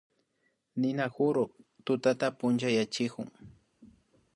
Ninakuru kay tutata punchayachikun